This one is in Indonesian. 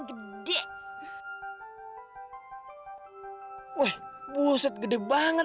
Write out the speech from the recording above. gue gak tenang ya